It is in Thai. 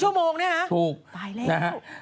เฮ้ยครึ่งชั่วโมงเนี่ยฮะตายเร็ว